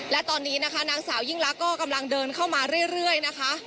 และตอนนี้นะคะนางสาวยิ่งลักษณ์ก็กำลังเดินเข้ามาเรื่อยนะคะ